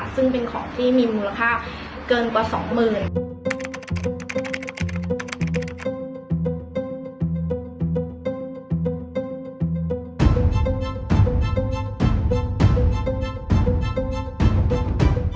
ซึ่งเป็นของที่มีมูลค่าเกินกว่า๒๐๐๐๐บาท